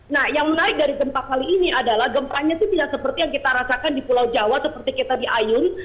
nah yang naik dari gempa kali ini adalah gempanya itu tidak seperti yang kita rasakan di pulau jawa seperti kita di ayun